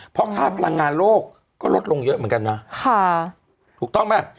เพราะค่าพลังงานโรคก็ลดลงเยอะเหมือนกันนะ